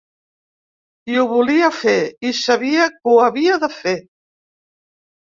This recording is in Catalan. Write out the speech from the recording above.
I ho volia fer i sabia que ho havia de fer.